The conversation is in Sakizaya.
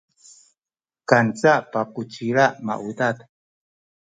kanca pakucila a maudad